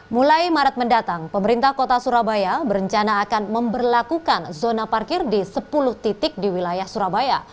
mulai maret mendatang pemerintah kota surabaya berencana akan memperlakukan zona parkir di sepuluh titik di wilayah surabaya